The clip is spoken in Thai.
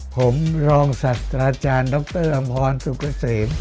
ผมรองสัตว์อาจารย์ดรอำพอลสุกเกษียม